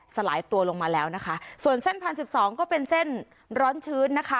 สลายตัวลงมาแล้วนะคะส่วนเส้นพันสิบสองก็เป็นเส้นร้อนชื้นนะคะ